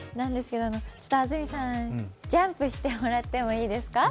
安住さん、ジャンプしてもらってもいいですか？